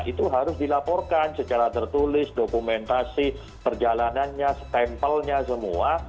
itu harus dilaporkan secara tertulis dokumentasi perjalanannya stempelnya semua